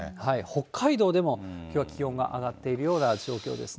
北海道でも、きょうは気温が上がっているような状況ですね。